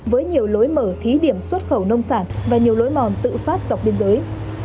với nhiều lối mở thí điểm xuất khẩu nông sản và nhiều lối mòn tự phát dọc biên giới